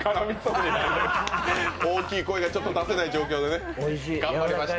大きい声が出せない状況で頑張りました。